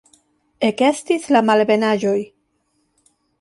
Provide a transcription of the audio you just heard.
Ekestis la malebenaĵoj.